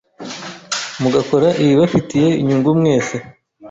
mugakora ibibafitiye inyungu mwese